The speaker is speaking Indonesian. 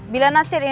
bila nasir inginkan